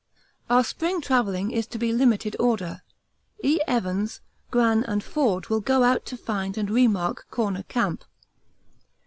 Our spring travelling is to be limited order. E. Evans, Gran, and Forde will go out to find and re mark 'Corner Camp.'